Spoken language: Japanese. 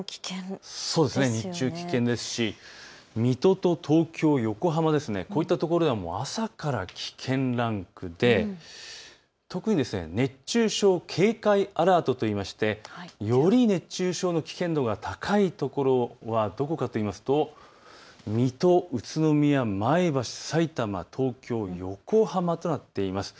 日中は危険ですし、水戸と東京、横浜は朝から危険ランクで特に熱中症警戒アラートといってより熱中症の危険度が高いところはどこかというと水戸、宇都宮、前橋、さいたま、東京、横浜となっています。